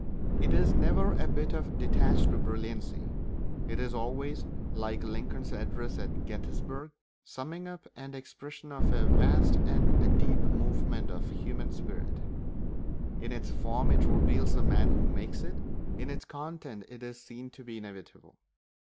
It is never a bit of detached brilliancy; it is always, like Lincoln's address at Gettysburg, the summing up and expression of a vast and deep movement of the human spirit. In its form it reveals the man who makes it; in its content it is seen to be inevitable.